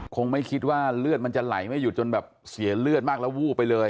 คงไม่คิดว่าเลือดมันจะไหลไม่หยุดจนแบบเสียเลือดมากแล้ววูบไปเลย